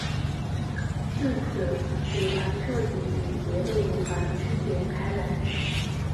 自此舞团彻底与别的舞团区别开来。